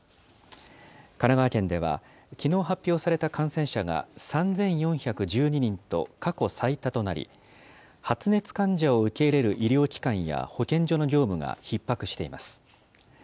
神奈川県では、きのう発表された感染者が３４１２人と、過去最多となり、発熱患者を受け入れる医療機関や保健所の業務がひっ迫しています。